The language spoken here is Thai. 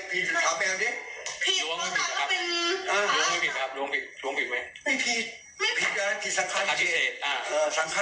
ตาเคยจับหลวง